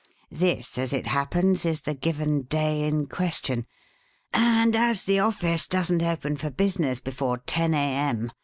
This, as it happens, is the 'given day' in question; and as the office doesn't open for business before ten A. M.